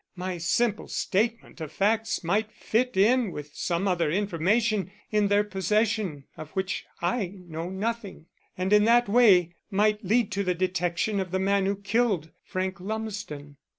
My simple statement of facts might fit in with some other information in their possession of which I know nothing, and in that way might lead to the detection of the man who killed Frank Lumsden.